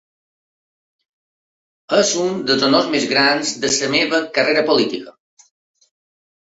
És un dels honors més grans de la meva carrera política.